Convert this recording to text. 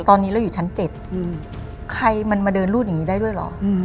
ตอนนี้เราอยู่ชั้น๗ใครมันมาเดินรูดอย่างนี้ได้ด้วยเหรอ